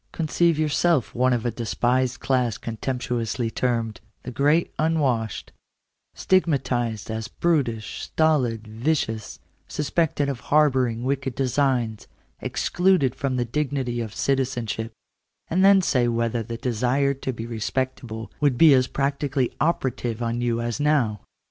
Conceive yourself one of a despised class contemptuously termed " the great unwashed ;" stigmatized as brutish, stolid, vicious ; suspected of harbouring wicked designs ; excluded from the dignity of citizenship ; and then say whether the desire to be respectable would be as practically operative on you as now.